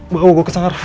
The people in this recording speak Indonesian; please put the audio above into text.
bawa gue ke sana raf